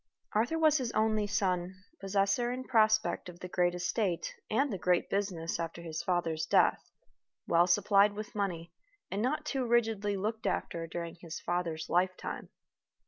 Arthur was his only son, possessor in prospect of the great estate and the great business after his father's death; well supplied with money, and not too rigidly looked after during his father's lifetime.